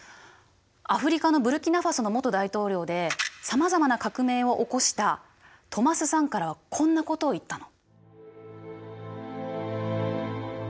アフリカのブルキナファソの元大統領でさまざまな革命を起こしたトマス・サンカラはこんなことを言ったの。